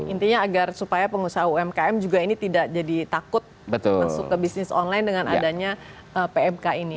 intinya agar supaya pengusaha umkm juga ini tidak jadi takut masuk ke bisnis online dengan adanya pmk ini